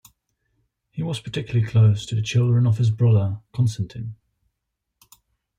He was particularly close to the children of his brother Konstantin.